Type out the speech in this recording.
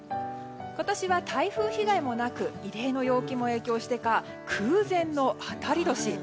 今年は台風被害もなく異例の陽気も影響してか空前の当たり年。